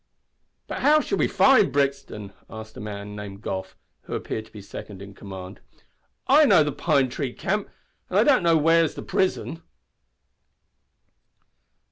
"But how shall we find Brixton?" asked a man named Goff, who appeared to be second in command. "I know the Pine Tree Camp, but I don't know where's the prison."